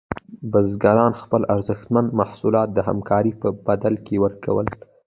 بزګران خپل ارزښتمن محصولات د همکارۍ په بدل کې ورکول.